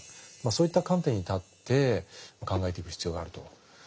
そういった観点に立って考えていく必要があると。